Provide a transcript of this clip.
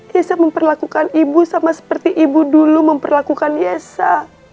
yessa memperlakukan ibu sama seperti ibu dulu memperlakukan yessa